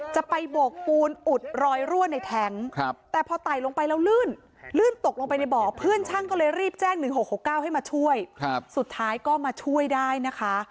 จะไปโบกปูนอุดรอยรั่วในแท้งแต่พอไต่ลงไปแล้วลื่นลื่นตกลงไปในบ่อเพื่อนช่างก็เลยรีบแจ้ง๑๖๖๙ให้มาช่วยสุดท้ายก็มาช่วยได้นะคะ